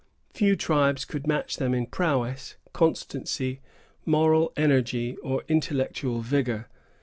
Few tribes could match them in prowess, constancy, moral energy, or intellectual vigor.